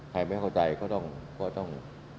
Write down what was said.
ไม่เข้าใจก็ต้อง